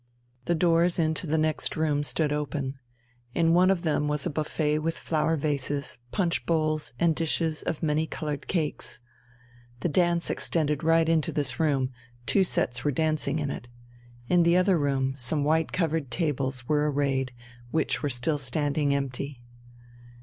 The doors into the next room stood open. In one of them was a buffet with flower vases, punch bowls, and dishes of many coloured cakes. The dance extended right into this room, two sets were dancing in it. In the other room some white covered tables were arrayed, which were still standing empty.